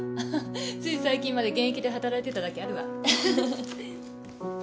つい最近まで現役で働いてただけあるわ。